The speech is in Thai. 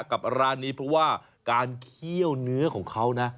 กับร้านนี้เพราะว่าการเคี่ยวเนื้อของเขานะ